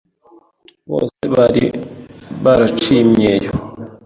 bose bari baraciye imyeyo,